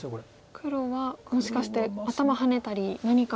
黒はもしかして頭ハネたり何か。